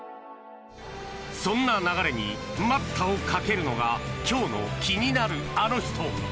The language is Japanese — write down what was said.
そんな流れに待ったをかけるのが今日の気になるアノ人。